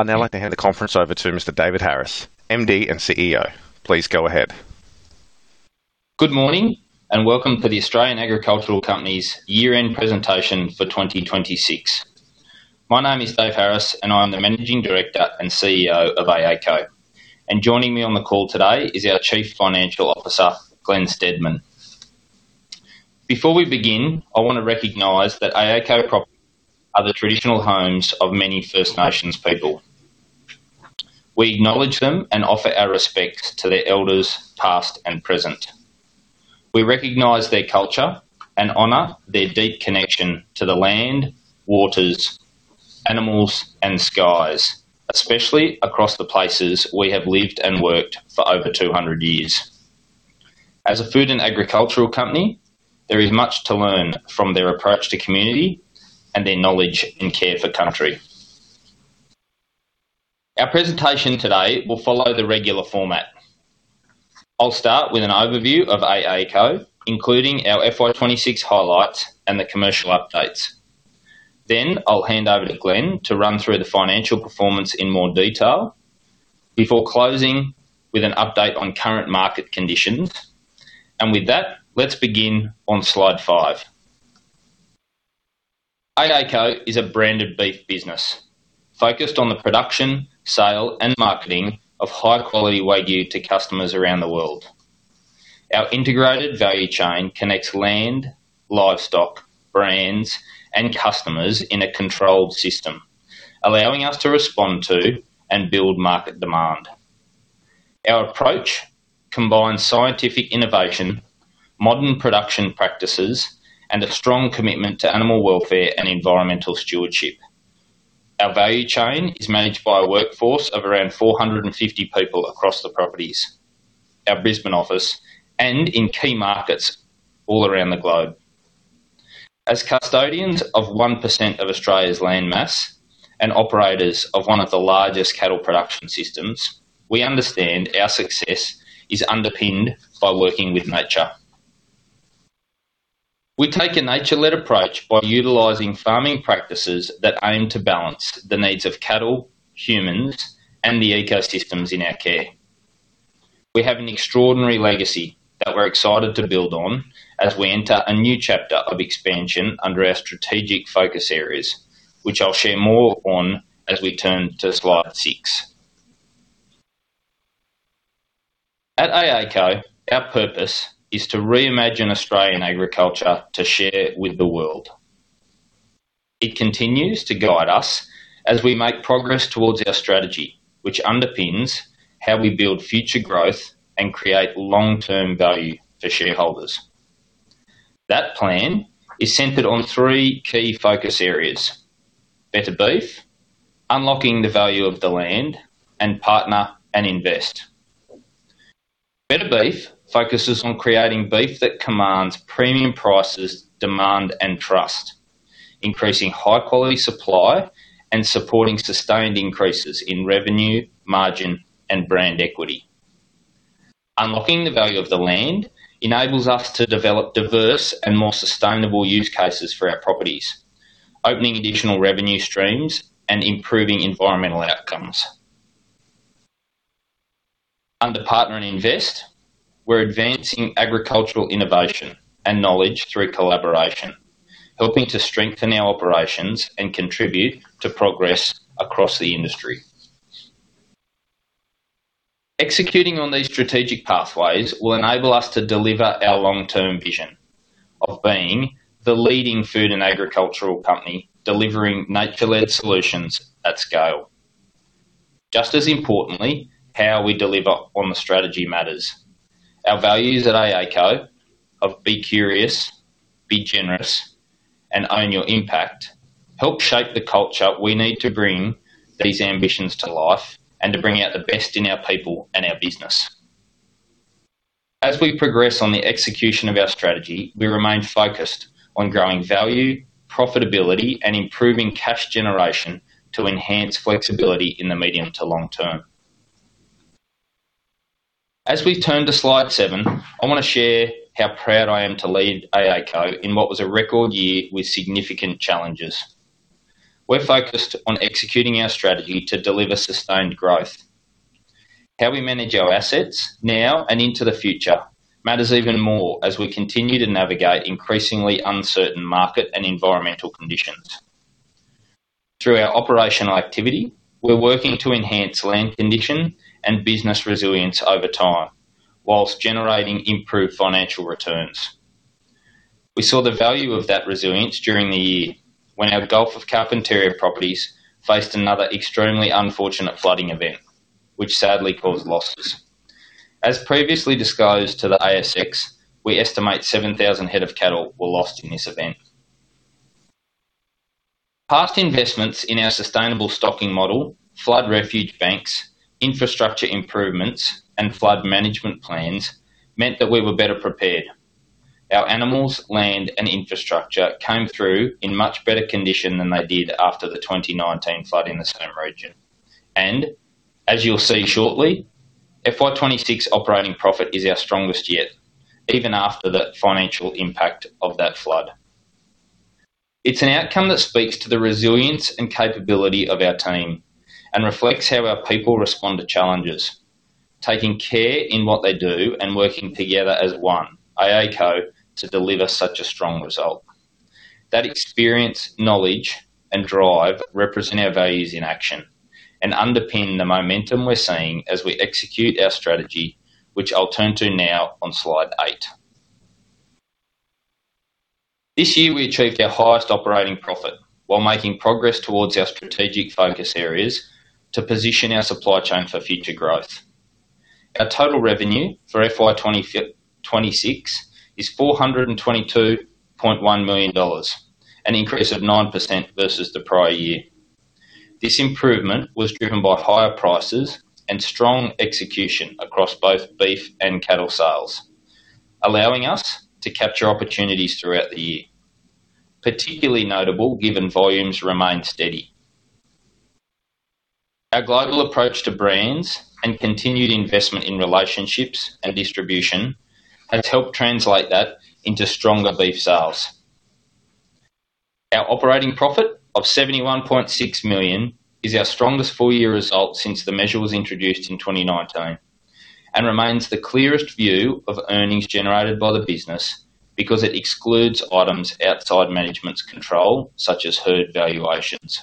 I'd now like to hand the conference over to Mr. David Harris, MD and CEO. Please go ahead. Good morning and welcome to the Australian Agricultural Company's year-end presentation for 2026. My name is David Harris, and I'm the Managing Director and CEO of AACo. Joining me on the call today is our Chief Financial Officer, Glen Steedman. Before we begin, I want to recognize that AACo properties are the traditional homes of many First Nations people. We acknowledge them and offer our respects to their elders, past and present. We recognize their culture and honor their deep connection to the land, waters, animals, and skies, especially across the places we have lived and worked for over 200 years. As a food and agricultural company, there is much to learn from their approach to community and their knowledge and care for country. Our presentation today will follow the regular format. I'll start with an overview of AACo, including our FY 2026 highlights and the commercial updates. I'll hand over to Glen to run through the financial performance in more detail before closing with an update on current market conditions. With that, let's begin on slide five. AACo is a branded beef business focused on the production, sale, and marketing of high-quality Wagyu to customers around the world. Our integrated value chain connects land, livestock, brands, and customers in a controlled system, allowing us to respond to and build market demand. Our approach combines scientific innovation, modern production practices, and a strong commitment to animal welfare and environmental stewardship. Our value chain is managed by a workforce of around 450 people across the properties, our Brisbane office, and in key markets all around the globe. As custodians of 1% of Australia's land mass and operators of one of the largest cattle production systems, we understand our success is underpinned by working with nature. We take a nature-led approach by utilizing farming practices that aim to balance the needs of cattle, humans, and the ecosystems in our care. We have an extraordinary legacy that we're excited to build on as we enter a new chapter of expansion under our strategic focus areas, which I'll share more on as we turn to slide six. At AACo, our purpose is to reimagine Australian agriculture to share with the world. It continues to guide us as we make progress towards our strategy, which underpins how we build future growth and create long-term value for shareholders. That plan is centered on three key focus areas. Better Beef, unlocking the value of the land, and partner and invest. Better Beef focuses on creating beef that commands premium prices, demand, and trust, increasing high-quality supply, and supporting sustained increases in revenue, margin, and brand equity. Unlocking the value of the land enables us to develop diverse and more sustainable use cases for our properties, opening additional revenue streams, and improving environmental outcomes. Under partner and invest, we're advancing agricultural innovation and knowledge through collaboration, helping to strengthen our operations and contribute to progress across the industry. Executing on these strategic pathways will enable us to deliver our long-term vision of being the leading food and agricultural company, delivering nature-led solutions at scale. Just as importantly, how we deliver on the strategy matters. Our values at AACo of Be Curious, Be Generous, and Own Your Impact, help shape the culture we need to bring these ambitions to life and to bring out the best in our people and our business. As we progress on the execution of our strategy, we remain focused on growing value, profitability, and improving cash generation to enhance flexibility in the medium to long term. As we turn to slide seven, I want to share how proud I am to lead AACo in what was a record year with significant challenges. We're focused on executing our strategy to deliver sustained growth. How we manage our assets now and into the future matters even more as we continue to navigate increasingly uncertain market and environmental conditions. Through our operational activity, we're working to enhance land condition and business resilience over time whilst generating improved financial returns. We saw the value of that resilience during the year when our Gulf of Carpentaria properties faced another extremely unfortunate flooding event, which sadly caused losses. As previously disclosed to the ASX, we estimate 7,000 head of cattle were lost in this event. Past investments in our sustainable stocking model, flood refuge banks, infrastructure improvements, and flood management plans meant that we were better prepared. Our animals, land, and infrastructure came through in much better condition than they did after the 2019 flood in the same region. As you'll see shortly, FY 2026 operating profit is our strongest yet, even after the financial impact of that flood. It's an outcome that speaks to the resilience and capability of our team and reflects how our people respond to challenges, taking care in what they do and working together as one, AACo, to deliver such a strong result. That experience, knowledge, and drive represent our values in action and underpin the momentum we're seeing as we execute our strategy, which I'll turn to now on slide eight. This year, we achieved our highest operating profit while making progress towards our strategic focus areas to position our supply chain for future growth. Our total revenue for FY 2026 is 422.1 million dollars, an increase of 9% versus the prior year. This improvement was driven by higher prices and strong execution across both beef and cattle sales, allowing us to capture opportunities throughout the year, particularly notable given volumes remained steady. Our global approach to brands and continued investment in relationships and distribution has helped translate that into stronger beef sales. Our operating profit of 71.6 million is our strongest full-year result since the measure was introduced in 2019 and remains the clearest view of earnings generated by the business because it excludes items outside management's control, such as herd valuations.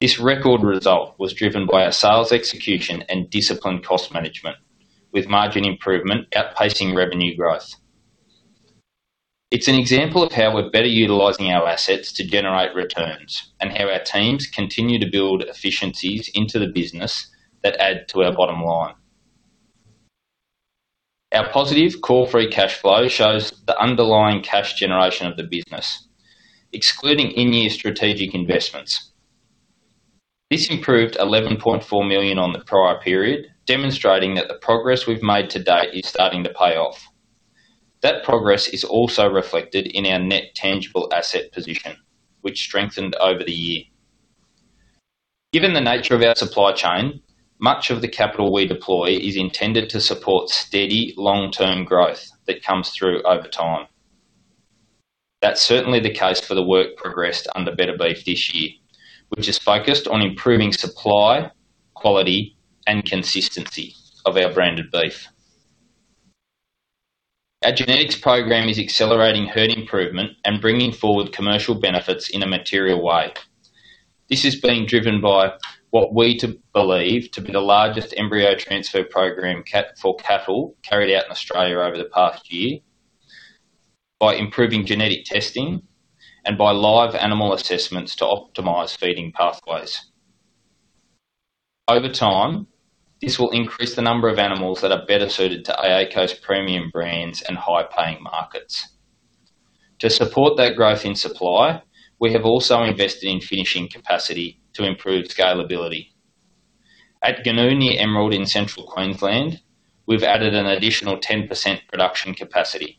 This record result was driven by our sales execution and disciplined cost management, with margin improvement outpacing revenue growth. It's an example of how we're better utilizing our assets to generate returns and how our teams continue to build efficiencies into the business that add to our bottom line. Our positive core free cash flow shows the underlying cash generation of the business, excluding in-year strategic investments. This improved 11.4 million on the prior period, demonstrating that the progress we've made to date is starting to pay off. That progress is also reflected in our net tangible asset position, which strengthened over the year. Given the nature of our supply chain, much of the capital we deploy is intended to support steady long-term growth that comes through over time. That's certainly the case for the work progressed under Better Beef this year, which is focused on improving supply, quality, and consistency of our branded beef. Our genetics program is accelerating herd improvement and bringing forward commercial benefits in a material way. This is being driven by what we believe to be the largest embryo transfer program for cattle carried out in Australia over the past year, by improving genetic testing, and by live animal assessments to optimize feeding pathways. Over time, this will increase the number of animals that are better suited to AACo's premium brands and high-paying markets. To support that growth in supply, we have also invested in finishing capacity to improve scalability. At Goonoo Emerald in Central Queensland, we've added an additional 10% production capacity,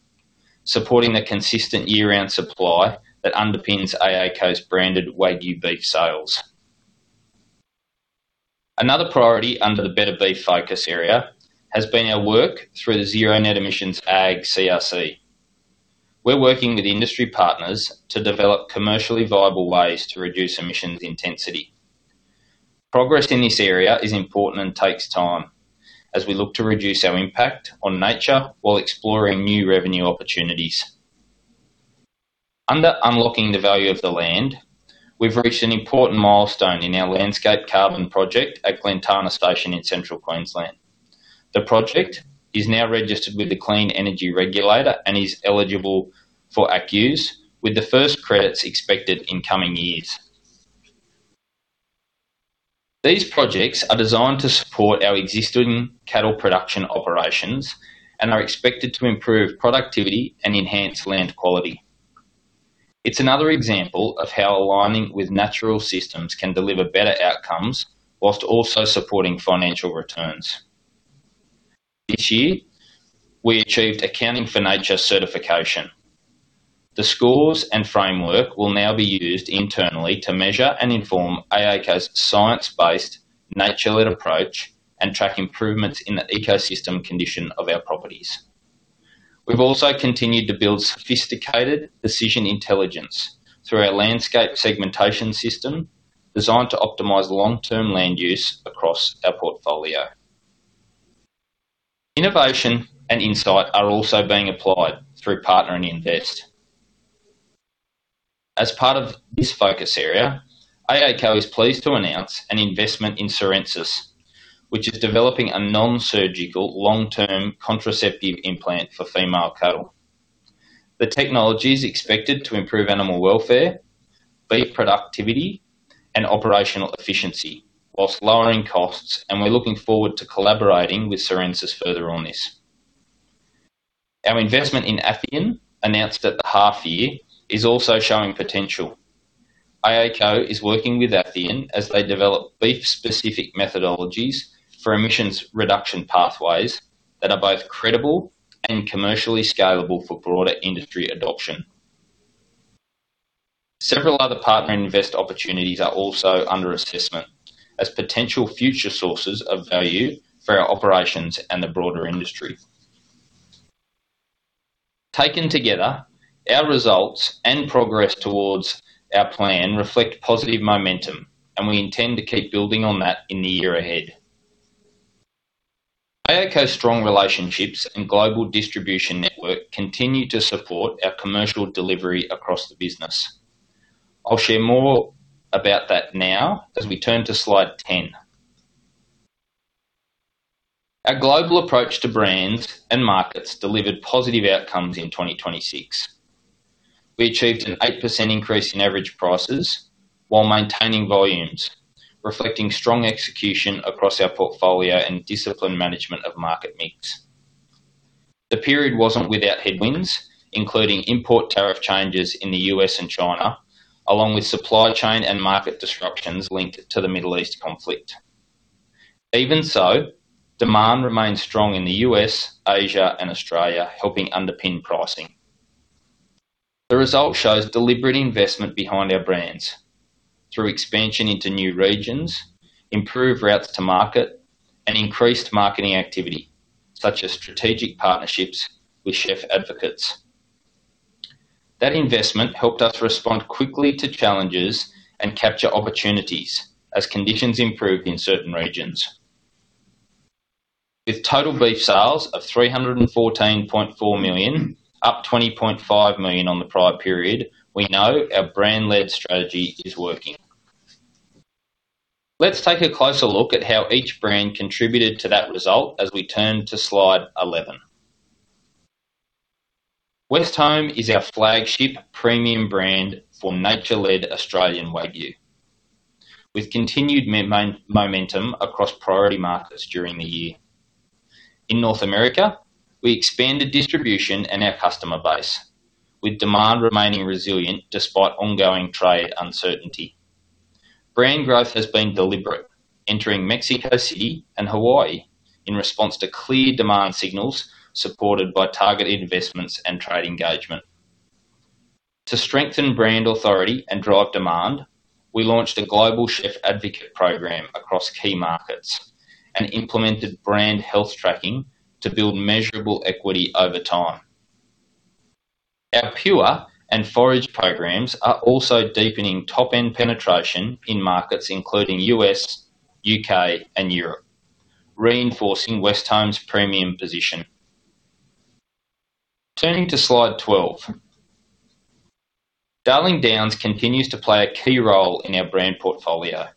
supporting the consistent year-round supply that underpins AACo's branded Wagyu beef sales. Another priority under the Better Beef focus area has been our work through the Zero Net Emissions Ag CRC. We're working with industry partners to develop commercially viable ways to reduce emissions intensity. Progress in this area is important and takes time as we look to reduce our impact on nature while exploring new revenue opportunities. Under unlocking the value of the land, we've reached an important milestone in our landscape carbon project at Glentana Station in Central Queensland. The project is now registered with the Clean Energy Regulator and is eligible for ACCUs, with the first credits expected in coming years. These projects are designed to support our existing cattle production operations and are expected to improve productivity and enhance land quality. It's another example of how aligning with natural systems can deliver better outcomes while also supporting financial returns. This year, we achieved Accounting for Nature certification. The scores and framework will now be used internally to measure and inform AACo's science-based, nature-led approach and track improvements in the ecosystem condition of our properties. We've also continued to build sophisticated decision intelligence through our landscape segmentation system, designed to optimize long-term land use across our portfolio. Innovation and insight are also being applied through partner and invest. As part of this focus area, AACo is pleased to announce an investment in Sorensis, which is developing a non-surgical long-term contraceptive implant for female cattle. The technology is expected to improve animal welfare, beef productivity, and operational efficiency whilst lowering costs, and we're looking forward to collaborating with Sorensis further on this. Our investment in Athian, announced at the half-year, is also showing potential. AACo is working with Athian as they develop beef-specific methodologies for emissions reduction pathways that are both credible and commercially scalable for broader industry adoption. Several other partner invest opportunities are also under assessment as potential future sources of value for our operations and the broader industry. Taken together, our results and progress towards our plan reflect positive momentum, and we intend to keep building on that in the year ahead. AACo's strong relationships and global distribution network continue to support our commercial delivery across the business. I'll share more about that now as we turn to slide 10. Our global approach to brands and markets delivered positive outcomes in 2026. We achieved an 8% increase in average prices while maintaining volumes, reflecting strong execution across our portfolio and disciplined management of market mix. The period wasn't without headwinds, including import tariff changes in the U.S. and China, along with supply chain and market disruptions linked to the Middle East conflict. Even so, demand remains strong in the U.S., Asia, and Australia, helping underpin pricing. The result shows deliberate investment behind our brands through expansion into new regions, improved routes to market, and increased marketing activity, such as strategic partnerships with chef advocates. That investment helped us respond quickly to challenges and capture opportunities as conditions improved in certain regions. With total beef sales of 314.4 million, up 20.5 million on the prior period, we know our brand-led strategy is working. Let's take a closer look at how each brand contributed to that result as we turn to slide 11. Westholme is our flagship premium brand for nature-led Australian Wagyu, with continued momentum across priority markets during the year. In North America, we expanded distribution and our customer base, with demand remaining resilient despite ongoing trade uncertainty. Brand growth has been deliberate, entering Mexico City and Hawaii in response to clear demand signals supported by targeted investments and trade engagement. To strengthen brand authority and drive demand, we launched a global chef advocate program across key markets and implemented brand health tracking to build measurable equity over time. Our Pure and Forage programs are also deepening top-end penetration in markets including U.S., U.K., and Europe, reinforcing Westholme's premium position. Turning to slide 12. Darling Downs continues to play a key role in our brand portfolio,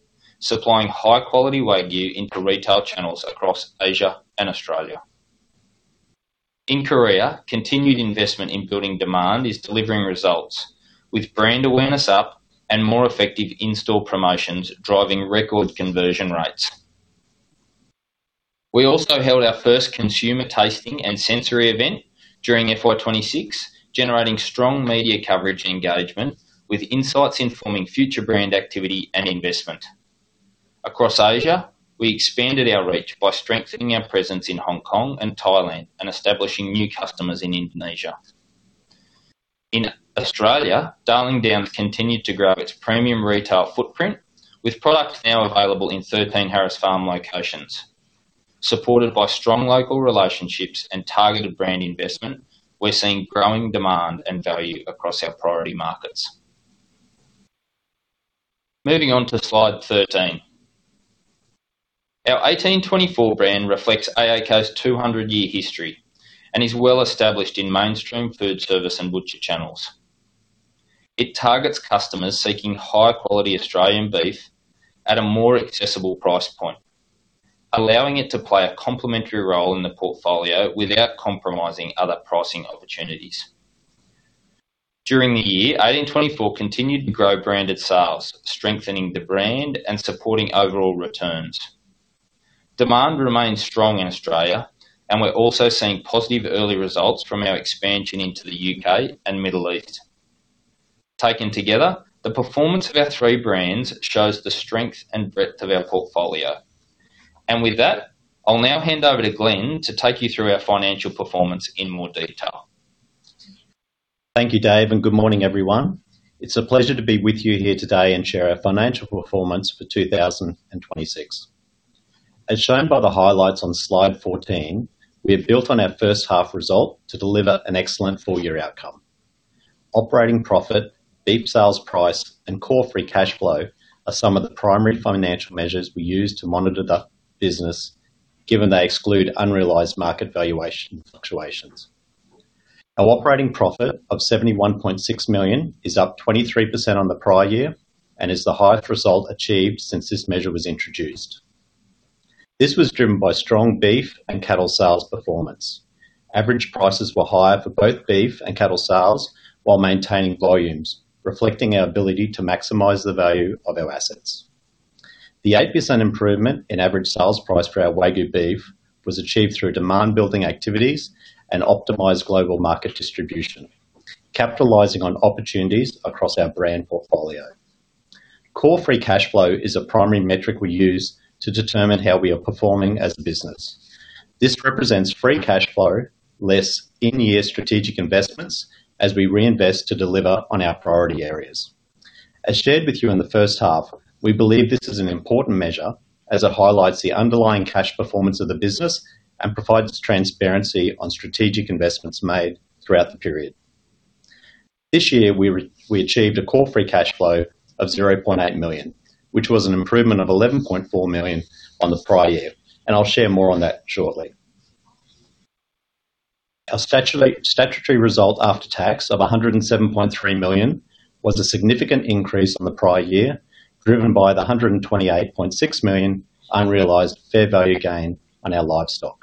supplying high-quality Wagyu into retail channels across Asia and Australia. In Korea, continued investment in building demand is delivering results, with brand awareness up and more effective in-store promotions driving record conversion rates. We also held our first consumer tasting and sensory event during FY 2026, generating strong media coverage engagement with insights informing future brand activity and investment. Across Asia, we expanded our reach by strengthening our presence in Hong Kong and Thailand and establishing new customers in Indonesia. In Australia, Darling Downs continued to grow its premium retail footprint, with product now available in 13 Harris Farm locations. Supported by strong local relationships and targeted brand investment, we're seeing growing demand and value across our priority markets. Moving on to slide 13. Our 1824 brand reflects AACo's 200-year history and is well-established in mainstream foodservice and butcher channels. It targets customers seeking high-quality Australian beef at a more accessible price point, allowing it to play a complementary role in the portfolio without compromising other pricing opportunities. During the year, 1824 continued to grow branded sales, strengthening the brand and supporting overall returns. Demand remains strong in Australia, we're also seeing positive early results from our expansion into the U.K. and Middle East. Taken together, the performance of our three brands shows the strength and breadth of our portfolio. With that, I'll now hand over to Glen to take you through our financial performance in more detail. Thank you, Dave, and good morning, everyone. It's a pleasure to be with you here today and share our financial performance for 2026. As shown by the highlights on slide 14, we have built on our first half result to deliver an excellent full-year outcome. Operating profit, beef sales price, and core free cash flow are some of the primary financial measures we use to monitor the business, given they exclude unrealized market valuation fluctuations. Our operating profit of 71.6 million is up 23% on the prior year and is the highest result achieved since this measure was introduced. This was driven by strong beef and cattle sales performance. Average prices were higher for both beef and cattle sales while maintaining volumes, reflecting our ability to maximize the value of our assets. The 8% improvement in average sales price for our Wagyu beef was achieved through demand-building activities and optimized global market distribution, capitalizing on opportunities across our brand portfolio. Core free cash flow is a primary metric we use to determine how we are performing as a business. This represents free cash flow less in-year strategic investments, as we reinvest to deliver on our priority areas. As shared with you in the first half, we believe this is an important measure as it highlights the underlying cash performance of the business and provides transparency on strategic investments made throughout the period. This year, we achieved a core free cash flow of 0.8 million, which was an improvement of 11.4 million on the prior year, and I'll share more on that shortly. Our statutory result after tax of 107.3 million was a significant increase on the prior year, driven by the 128.6 million unrealized fair value gain on our livestock.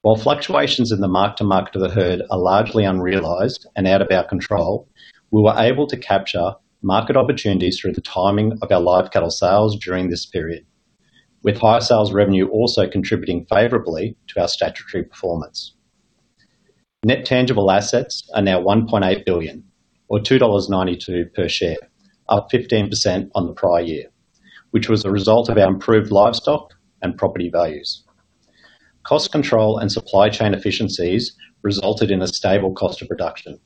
While fluctuations in the mark to market of the herd are largely unrealized and out of our control, we were able to capture market opportunities through the timing of our live cattle sales during this period, with higher sales revenue also contributing favorably to our statutory performance. Net tangible assets are now 1.8 billion or 2.92 dollars per share, up 15% on the prior year, which was a result of our improved livestock and property values. Cost control and supply chain efficiencies resulted in a stable cost of production,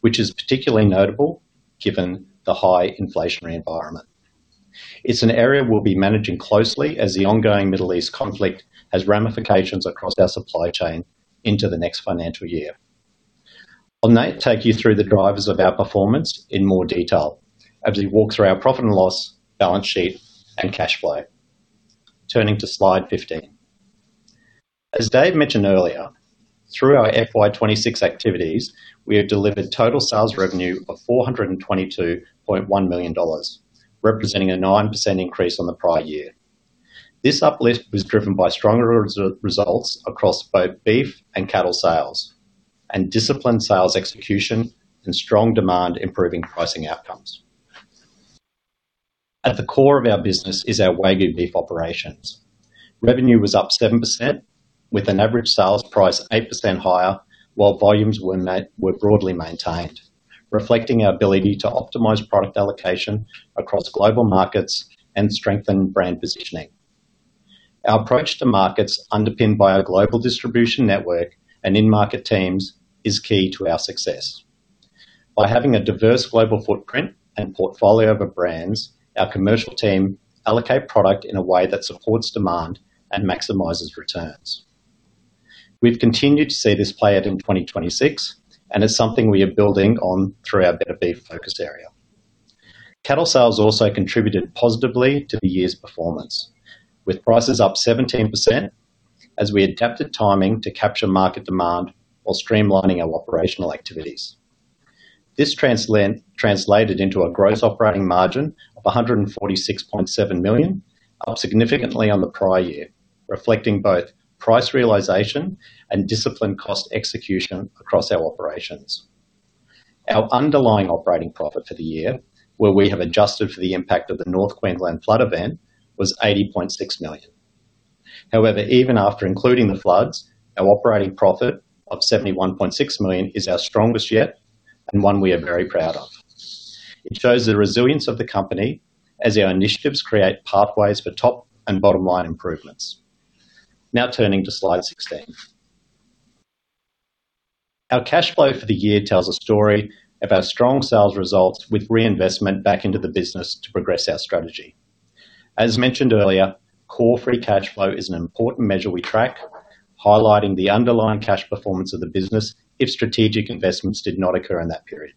which is particularly notable given the high inflationary environment. It's an area we'll be managing closely as the ongoing Middle East conflict has ramifications across our supply chain into the next financial year. I'll now take you through the drivers of our performance in more detail as we walk through our profit and loss, balance sheet, and cash flow. Turning to slide 15. As Dave mentioned earlier, through our FY 2026 activities, we have delivered total sales revenue of 422.1 million dollars, representing a 9% increase on the prior year. This uplift was driven by stronger results across both beef and cattle sales and disciplined sales execution and strong demand, improving pricing outcomes. At the core of our business is our Wagyu beef operations. Revenue was up 7%, with an average sales price 8% higher, while volumes were broadly maintained, reflecting our ability to optimize product allocation across global markets and strengthen brand positioning. Our approach to markets, underpinned by our global distribution network and in-market teams, is key to our success. By having a diverse global footprint and portfolio of our brands, our commercial team allocate product in a way that supports demand and maximizes returns. We've continued to see this play out in 2026, and it's something we are building on through our Better Beef focused area. Cattle sales also contributed positively to the year's performance, with prices up 17% as we adapted timing to capture market demand while streamlining our operational activities. This translated into a gross operating margin of 146.7 million, up significantly on the prior year, reflecting both price realization and disciplined cost execution across our operations. Our underlying operating profit for the year, where we have adjusted for the impact of the North Queensland flood event, was 80.6 million. However, even after including the floods, our operating profit of 71.6 million is our strongest yet and one we are very proud of. It shows the resilience of the company as our initiatives create pathways for top and bottom-line improvements. Turning to slide 16th. Our cash flow for the year tells a story about strong sales results with reinvestment back into the business to progress our strategy. As mentioned earlier, core free cash flow is an important measure we track, highlighting the underlying cash performance of the business if strategic investments did not occur in that period.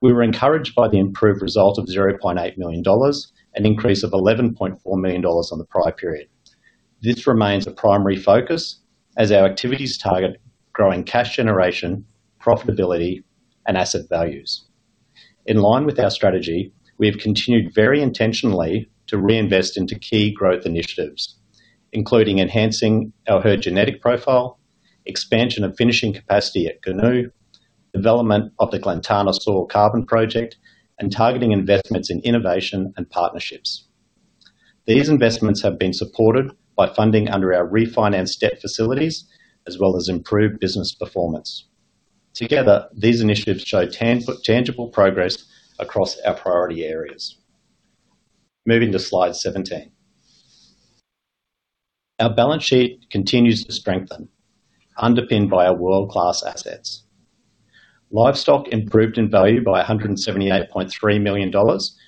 We were encouraged by the improved result of 0.8 million dollars, an increase of 11.4 million dollars on the prior period. This remains a primary focus as our activities target growing cash generation, profitability, and asset values. In line with our strategy, we have continued very intentionally to reinvest into key growth initiatives, including enhancing our herd genetic profile, expansion of finishing capacity at Goonoo, development of the Glentana Soil Carbon Project, and targeting investments in innovation and partnerships. These investments have been supported by funding under our refinanced debt facilities, as well as improved business performance. Together, these initiatives show tangible progress across our priority areas. Moving to slide 17. Our balance sheet continues to strengthen, underpinned by our world-class assets. Livestock improved in value by 178.3 million dollars,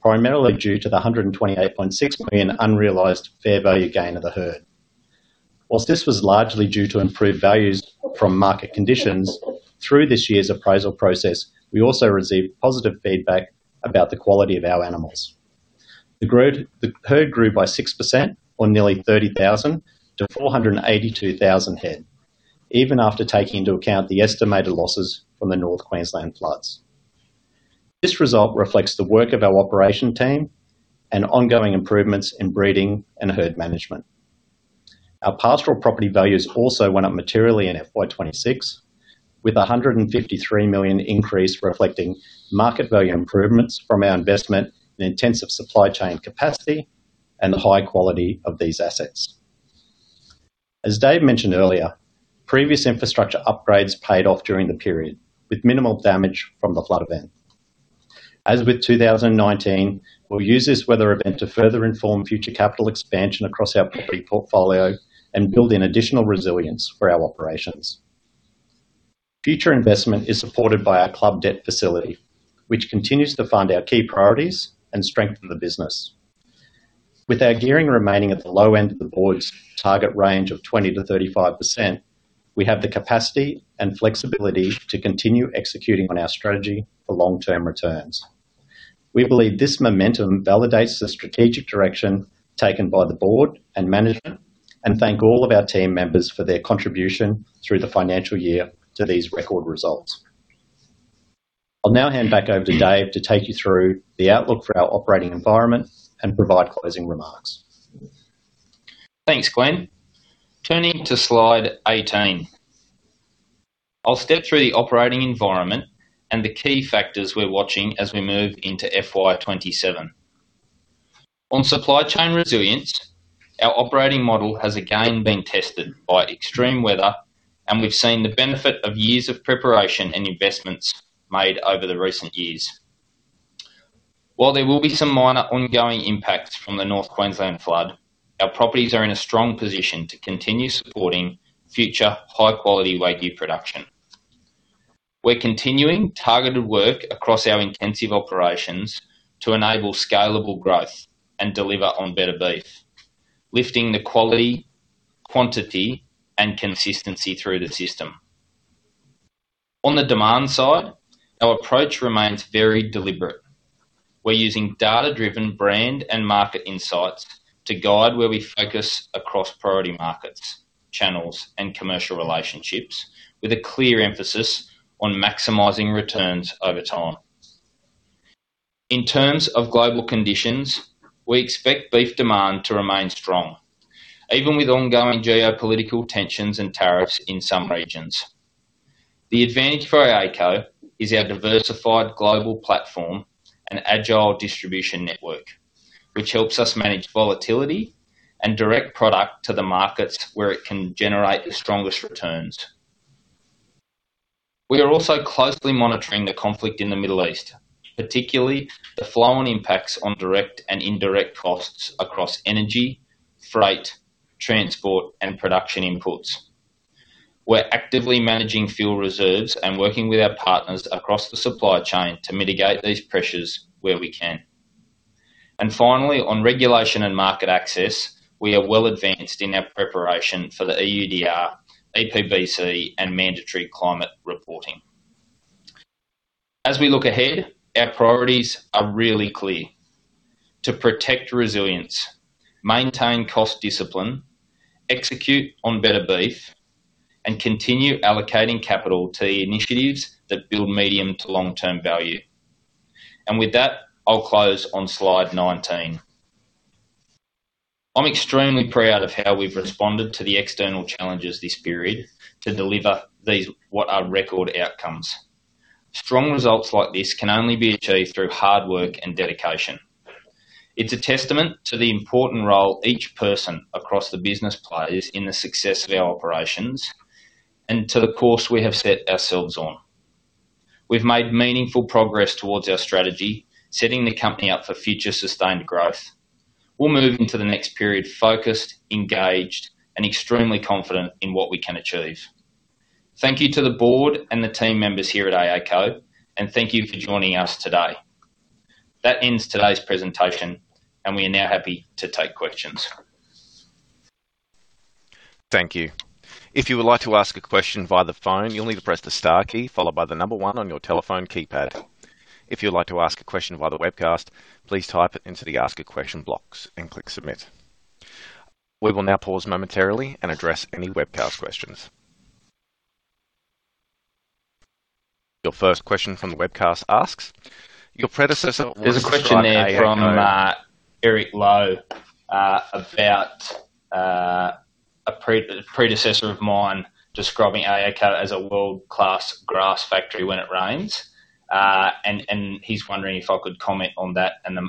primarily due to the 128.6 million unrealized fair value gain of the herd. Whilst this was largely due to improved values from market conditions, through this year's appraisal process, we also received positive feedback about the quality of our animals. The herd grew by 6%, or nearly 30,000-482,000 head, even after taking into account the estimated losses from the North Queensland floods. This result reflects the work of our operation team and ongoing improvements in breeding and herd management. Our pastoral property values also went up materially in FY 2026, with 153 million increase reflecting market value improvements from our investment in intensive supply chain capacity and the high quality of these assets. As Dave mentioned earlier, previous infrastructure upgrades paid off during the period, with minimal damage from the flood event. As with 2019, we will use this weather event to further inform future capital expansion across our property portfolio and build in additional resilience for our operations. Future investment is supported by our club debt facility, which continues to fund our key priorities and strengthen the business. With our gearing remaining at the low end of the board's target range of 20%-35%, we have the capacity and flexibility to continue executing on our strategy for long-term returns. We believe this momentum validates the strategic direction taken by the board and management, and thank all of our team members for their contribution through the financial year to these record results. I'll now hand back over to Dave to take you through the outlook for our operating environment and provide closing remarks. Thanks, Glen. Turning to slide 18th. I'll step through the operating environment and the key factors we're watching as we move into FY 2027. On supply chain resilience, our operating model has again been tested by extreme weather, and we've seen the benefit of years of preparation and investments made over the recent years. While there will be some minor ongoing impacts from the North Queensland flood, our properties are in a strong position to continue supporting future high-quality Wagyu production. We're continuing targeted work across our intensive operations to enable scalable growth and deliver on Better Beef, lifting the quality, quantity, and consistency through the system. On the demand side, our approach remains very deliberate. We're using data-driven brand and market insights to guide where we focus across priority markets, channels, and commercial relationships, with a clear emphasis on maximizing returns over time. In terms of global conditions, we expect beef demand to remain strong, even with ongoing geopolitical tensions and tariffs in some regions. The advantage for AACo is our diversified global platform and agile distribution network, which helps us manage volatility and direct product to the markets where it can generate the strongest returns. We are also closely monitoring the conflict in the Middle East, particularly the flow-on impacts on direct and indirect costs across energy, freight, transport, and production inputs. We're actively managing fuel reserves and working with our partners across the supply chain to mitigate these pressures where we can. Finally, on regulation and market access, we are well advanced in our preparation for the EUDR, EPBC, and mandatory climate reporting. As we look ahead, our priorities are really clear. To protect resilience, maintain cost discipline, execute on Better Beef, continue allocating capital to initiatives that build medium to long-term value. With that, I'll close on slide 19. I'm extremely proud of how we've responded to the external challenges this period to deliver what are record outcomes. Strong results like this can only be achieved through hard work and dedication. It's a testament to the important role each person across the business plays in the success of our operations and to the course we have set ourselves on. We've made meaningful progress towards our strategy, setting the company up for future sustained growth. We'll move into the next period focused, engaged, and extremely confident in what we can achieve. Thank you to the board and the team members here at AACo, and thank you for joining us today. That ends today's presentation, and we are now happy to take questions. Thank you. If you would like to ask a question via the phone, you'll need to press the star key followed by the number one on your telephone keypad. If you'd like to ask a question via the webcast, please type it into the Ask a Question box and click Submit. We will now pause momentarily and address any webcast questions. Your first question from the webcast asks, "Your predecessor was. There's a question there from Eric Lowe about a predecessor of mine describing AACo as a world-class grass factory when it rains. He's wondering if I could comment on that and the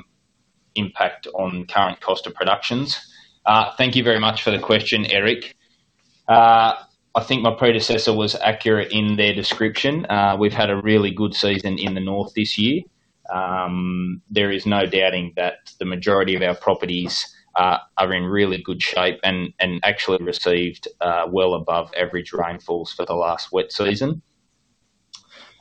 impact on current cost of production. Thank you very much for the question, Eric. I think my predecessor was accurate in their description. We've had a really good season in the north this year. There is no doubting that the majority of our properties are in really good shape and actually received well above average rainfalls for the last wet season.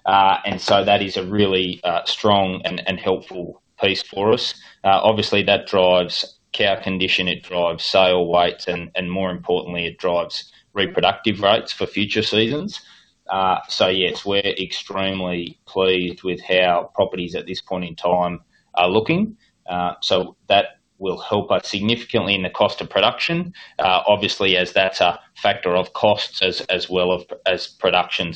That is a really strong and helpful piece for us. Obviously, that drives cow condition, it drives sale weights, and more importantly, it drives reproductive rates for future seasons. Yes, we're extremely pleased with how properties at this point in time are looking. That will help us significantly in the cost of production, obviously, as that's a factor of costs as well as production.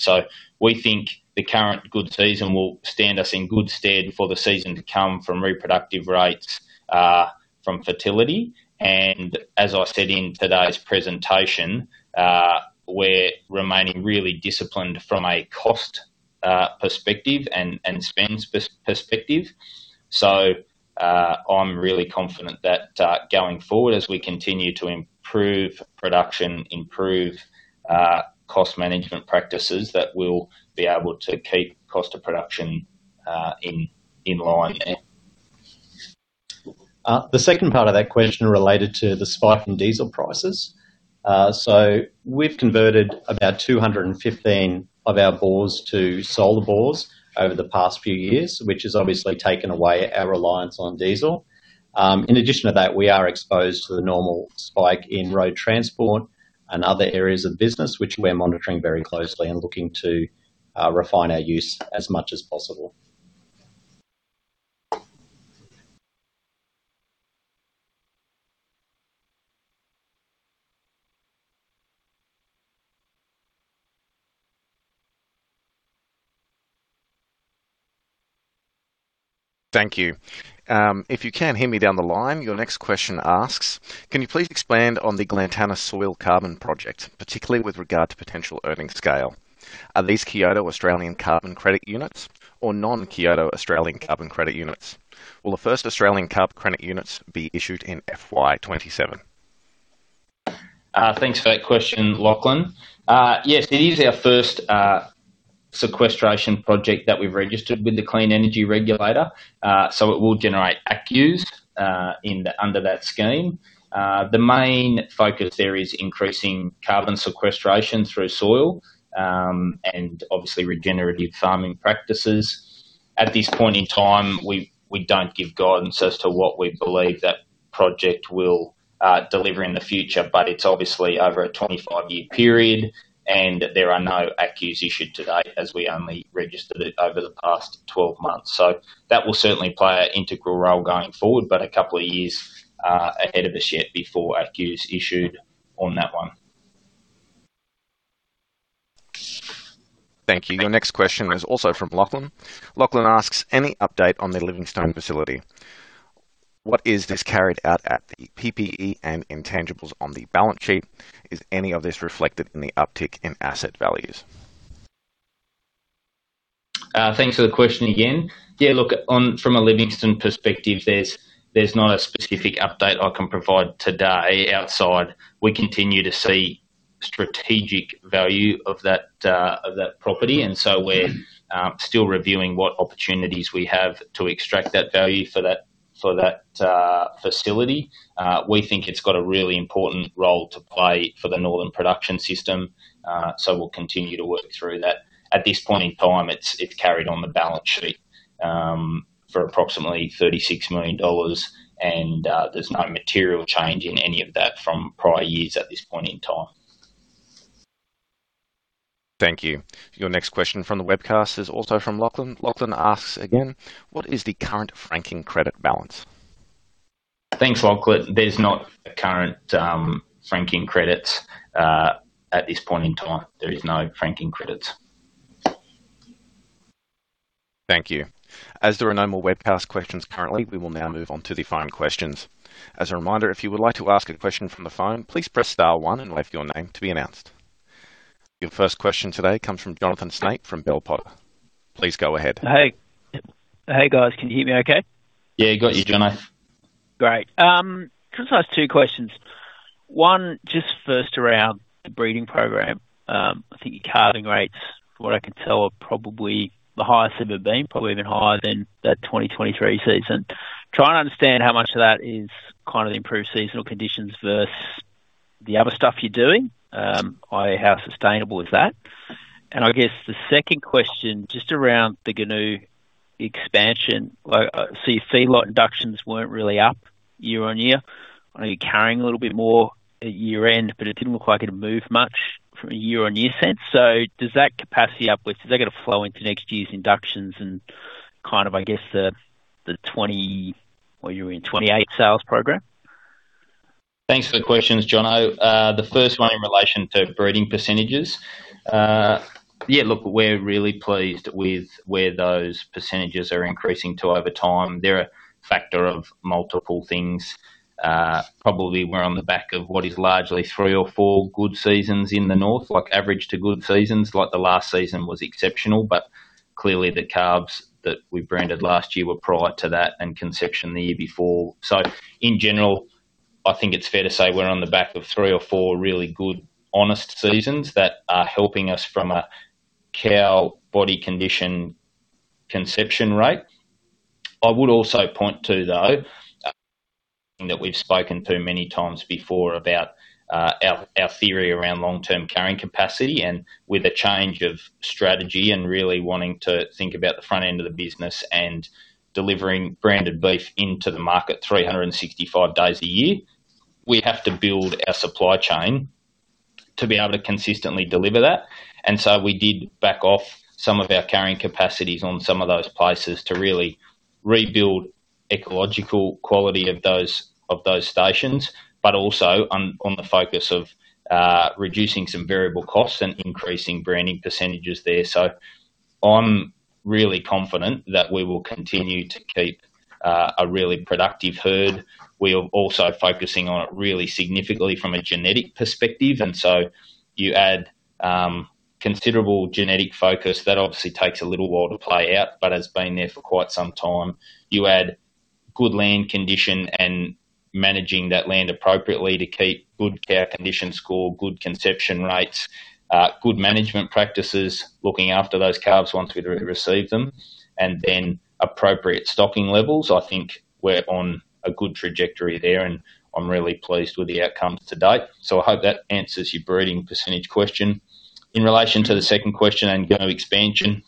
We think the current good season will stand us in good stead for the season to come from reproductive rates from fertility. As I said in today's presentation. We're remaining really disciplined from a cost perspective and spend perspective. I'm really confident that going forward, as we continue to improve production, improve cost management practices, that we'll be able to keep cost of production in line. The second part of that question related to the spike in diesel prices. We've converted about 215 of our bores to solar bores over the past few years, which has obviously taken away our reliance on diesel. In addition to that, we are exposed to the normal spike in road transport and other areas of business, which we are monitoring very closely and looking to refine our use as much as possible. Thank you. If you can hear me down the line, your next question asks, can you please expand on the Glentana Soil Carbon Project, particularly with regard to potential earning scale? Are these Kyoto Australian Carbon Credit Units or non-Kyoto Australian Carbon Credit Units? Will the first Australian Carbon Credit Units be issued in FY 2027? Thanks for that question, Lachlan. Yes, it is our first sequestration project that we've registered with the Clean Energy Regulator, so it will generate ACCUs under that scheme. The main focus there is increasing carbon sequestration through soil, and obviously regenerative farming practices. At this point in time, we don't give guidance as to what we believe that project will deliver in the future, but it's obviously over a 25-year period, and there are no ACCUs issued to date as we only registered it over the past 12 months. That will certainly play an integral role going forward, but a couple of years ahead of us yet before ACCUs issued on that one. Thank you. Your next question is also from Lachlan. Lachlan asks, any update on the Livingstone facility? What is this carried out at the PPE and intangibles on the balance sheet? Is any of this reflected in the uptick in asset values? Thanks for the question again. Yeah, look, from a Livingstone perspective, there's not a specific update I can provide today outside we continue to see strategic value of that property. We're still reviewing what opportunities we have to extract that value for that facility. We think it's got a really important role to play for the northern production system. We'll continue to work through that. At this point in time, it's carried on the balance sheet for approximately 36 million dollars. There's no material change in any of that from prior years at this point in time. Thank you. Your next question from the webcast is also from Lachlan. Lachlan asks again, what is the current franking credit balance? Thanks, Lachlan. There's no current franking credits at this point in time. There is no franking credits. Thank you. There are no more webcast questions currently, we will now move on to the phone questions. A reminder, if you would like to ask a question from the phone, please press star one and wait for your name to be announced. Your first question today comes from Jonathan Snape from Bell Potter. Please go ahead. Hey. Hey, guys. Can you hear me okay? Yeah, got you, Jono. Great. Can I just ask two questions? one, just first around the breeding program. I think your calving rates, from what I can tell, are probably the highest they've ever been, probably even higher than that 2023 season. Trying to understand how much of that is kind of the improved seasonal conditions versus the other stuff you're doing, i.e. how sustainable is that? I guess the second question, just around the Goonoo expansion. I see feedlot inductions weren't really up year on year. I know you're carrying a little bit more at year end, but it didn't look like it moved much from a year on year sense. Does that capacity upwards, is that going to flow into next year's inductions and kind of, I guess, the 2028 sales program? Thanks for the questions, Jono. The first one in relation to breeding percentages. Yeah, look, we're really pleased with where those percentages are increasing to over time. They're a factor of multiple things. Probably we're on the back of what is largely three or four good seasons in the north, like average to good seasons, like the last season was exceptional, but clearly the calves that we branded last year were prior to that and conception the year before. In general, I think it's fair to say we're on the back of three or four really good, honest seasons that are helping us from a cow body condition conception rate. I would also point to, though, something that we've spoken to many times before about our theory around long-term carrying capacity and with a change of strategy and really wanting to think about the front end of the business and delivering branded beef into the market 365 days a year. We have to build our supply chain to be able to consistently deliver that. We did back off some of our carrying capacities on some of those places to really rebuild ecological quality of those stations, but also on the focus of reducing some variable costs and increasing branding percentages there. I'm really confident that we will continue to keep a really productive herd. We are also focusing on it really significantly from a genetic perspective. You add considerable genetic focus. That obviously takes a little while to play out, but has been there for quite some time. You add good land condition and managing that land appropriately to keep good care condition score, good conception rates, good management practices, looking after those calves once we receive them, and then appropriate stocking levels. I think we're on a good trajectory there. I'm really pleased with the outcomes to date. I hope that answers your breeding percentage question. In relation to the second question on growth expansion,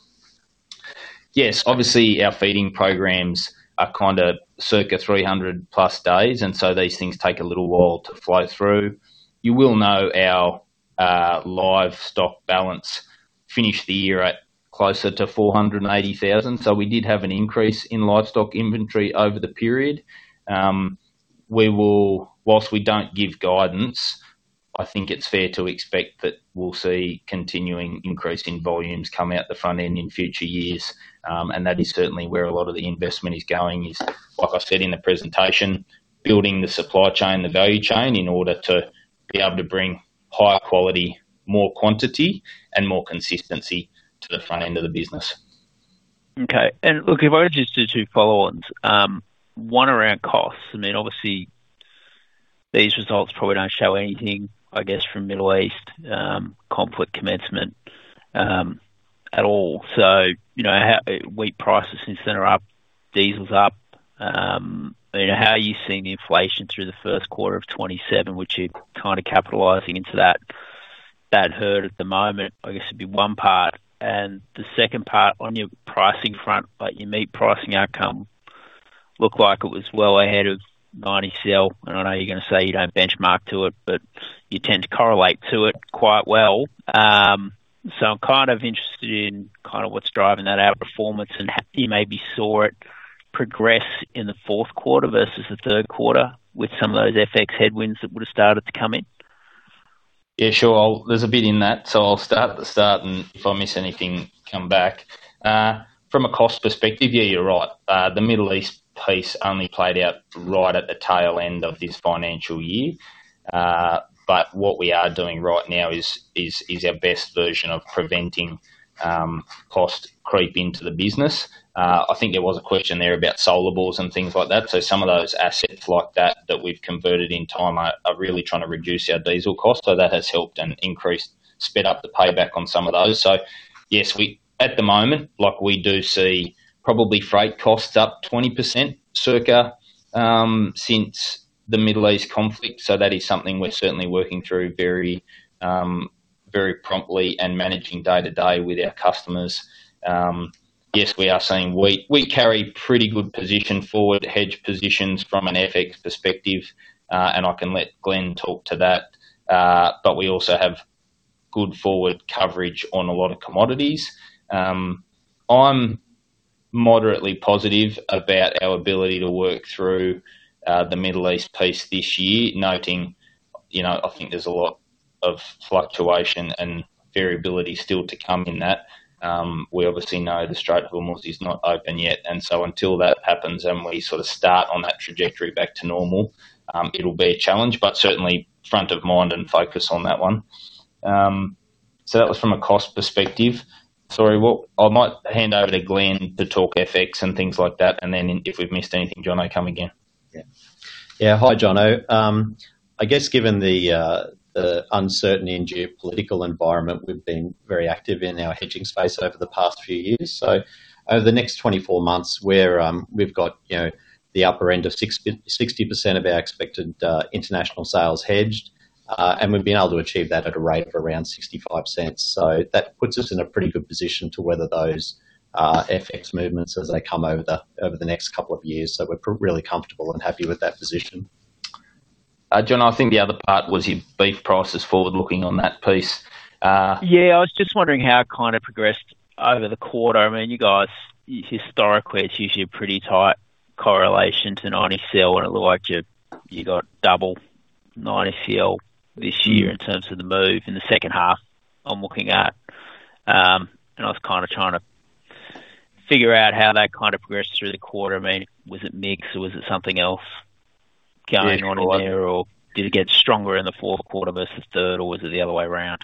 yes, obviously, our feeding programs are kind of circa 300+ days. These things take a little while to flow through. You will know our livestock balance finished the year at closer to 480,000. We did have an increase in livestock inventory over the period. Whilst we don't give guidance, I think it's fair to expect that we'll see continuing increase in volumes come out the front end in future years. That is certainly where a lot of the investment is going is, like I said in the presentation, building the supply chain, the value chain, in order to be able to bring higher quality, more quantity, and more consistency to the front end of the business. Okay. Look, if I were to just do two follow-ons. One around costs. I mean, obviously, these results probably don't show anything, I guess, from Middle East conflict commencement, at all. Wheat prices since then are up, diesel's up. How are you seeing inflation through the 1st quarter of FY 2027? What you're kind of capitalizing into that herd at the moment, I guess, would be one part. The second part on your pricing front, like your meat pricing outcome looked like it was well ahead of 90CL. I know you're going to say you don't benchmark to it, but you tend to correlate to it quite well. I'm kind of interested in what's driving that outperformance and you maybe saw it progress in the fourth quarter versus the third quarter with some of those FX headwinds that would've started to come in. Sure. There's a bit in that. I'll start at the start and if I miss anything, come back. From a cost perspective, you're right. The Middle East piece only played out right at the tail end of this financial year. What we are doing right now is our best version of preventing cost creep into the business. I think there was a question there about solars and things like that. Some of those assets like that we've converted in time are really trying to reduce our diesel cost. That has helped and increased, sped up the payback on some of those. Yes, at the moment, we do see probably freight costs up 20% circa since the Middle East conflict. That is something we're certainly working through very promptly and managing day-to-day with our customers. We are seeing wheat. We carry pretty good position forward hedge positions from an an FX perspective. I can let Glen talk to that. We also have good forward coverage on a lot of commodities. I'm moderately positive about our ability to work through the Middle East piece this year, noting I think there's a lot of fluctuation and variability still to come in that. We obviously know the Strait of Hormuz is not open yet. Until that happens and we sort of start on that trajectory back to normal, it'll be a challenge, but certainly front of mind and focus on that one. That was from a cost perspective. Sorry, I might hand over to Glen to talk FX and things like that, and then if we've missed anything, Jono, come again. Hi, Jono. I guess given the uncertainty in geopolitical environment, we've been very active in our hedging space over the past few years. Over the next 24 months, we've got the upper end of 60% of our expected international sales hedged. We've been able to achieve that at a rate of around 0.65. That puts us in a pretty good position to weather those FX movements as they come over the next couple of years. We're really comfortable and happy with that position. Jono, I think the other part was your beef prices forward looking on that piece. Yeah, I was just wondering how it kind of progressed over the quarter? I mean, you guys, historically, it's usually a pretty tight correlation to 90CL, and it looked like you got double 90CL this year in terms of the move in the second half, I'm looking at. I was kind of trying to figure out how that kind of progressed through the quarter? I mean, was it mix or was it something else going on in there? Did it get stronger in the fourth quarter versus third? Was it the other way around?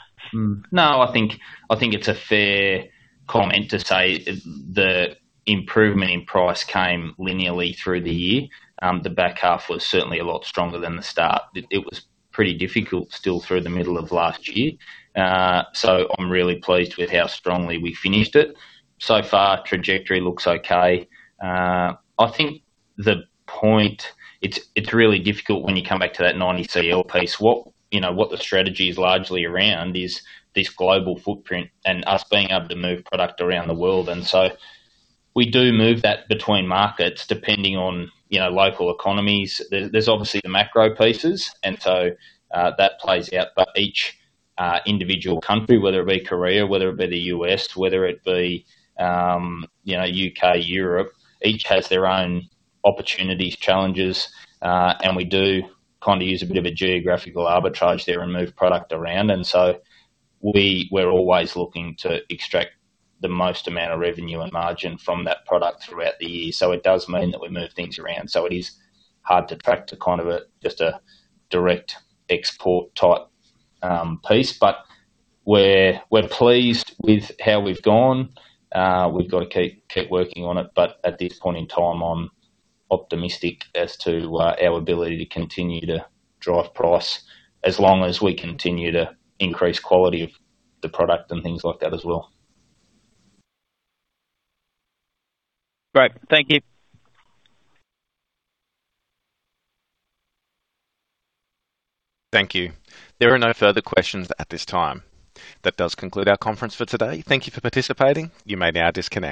No, I think it's a fair comment to say the improvement in price came linearly through the year. The back half was certainly a lot stronger than the start. It was pretty difficult still through the middle of last year. I'm really pleased with how strongly we finished it. So far, trajectory looks okay. I think it's really difficult when you come back to that 90CL piece. What the strategy is largely around is this global footprint and us being able to move product around the world. We do move that between markets depending on local economies. There's obviously the macro pieces, and so, that plays out. Each individual country, whether it be Korea, whether it be the U.S., whether it be U.K., Europe, each has their own opportunities, challenges. We do kind of use a bit of a geographical arbitrage there and move product around. We're always looking to extract the most amount of revenue and margin from that product throughout the year. It does mean that we move things around. It is hard to factor kind of just a direct export type piece. We're pleased with how we've gone. We've got to keep working on it. At this point in time, I'm optimistic as to our ability to continue to drive price as long as we continue to increase quality of the product and things like that as well. Great. Thank you. Thank you. There are no further questions at this time. That does conclude our conference for today. Thank you for participating. You may now disconnect.